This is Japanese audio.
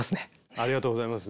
ありがとうございます。